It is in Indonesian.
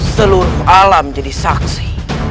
seluruh alam jadi saksi